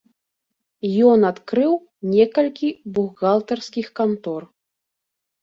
Ён адкрыў некалькі бухгалтарскіх кантор.